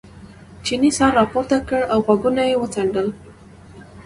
چیني سر را پورته کړ او غوږونه یې وڅنډل.